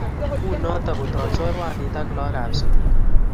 unoto kotoi chorwandit ak laak ab sugul